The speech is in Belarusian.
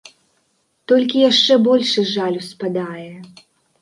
Толькі яшчэ большы жаль успадае.